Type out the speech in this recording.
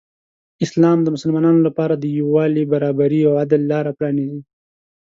اسلام د مسلمانانو لپاره د یو والي، برابري او عدل لاره پرانیزي.